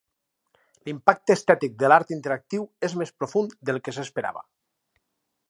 L'impacte estètic de l'art interactiu és més profund del que s'esperava.